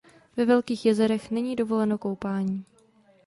Ve velkých jezerech není dovoleno koupání.